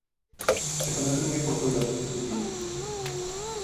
Se conocen muy pocos datos de su vida.